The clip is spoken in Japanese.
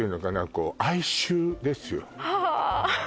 こう哀愁ですよはあっ